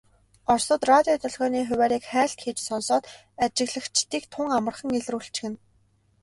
Оросууд радио долгионы хуваарийг хайлт хийж сонсоод ажиглагчдыг тун амархан илрүүлчихнэ.